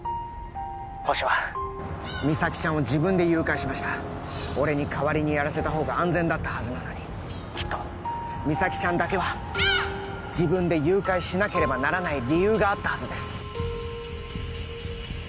ホシは実咲ちゃんを自分で誘拐しました俺に代わりにやらせたほうが安全だったはずなのにきっと実咲ちゃんだけは自分で誘拐しなければならない理由があったはずです